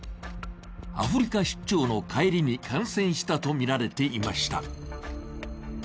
アフリカ出張の帰りに感染したとみられていました。